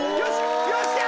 よっしゃ！